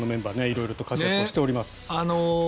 色々と活躍をしております。